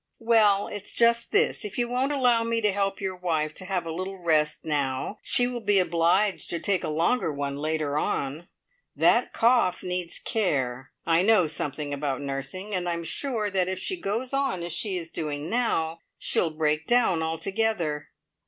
"Well, it's just this; if you won't allow me to help your wife to have a little rest now, she will be obliged to take a longer one later on! That cough needs care. I know something about nursing, and I'm sure that if she goes on as she is doing now, she'll break down altogether."